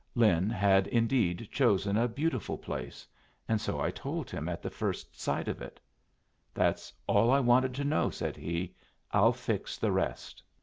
Lin had indeed chosen a beautiful place, and so I told him at the first sight of it. "That's all I wanted to know," said he. "I'll fix the rest."